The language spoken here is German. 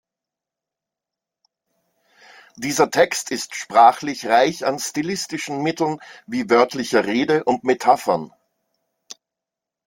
Dieser Text ist sprachlich reich an stilistischen Mitteln wie wörtlicher Rede und Metaphern.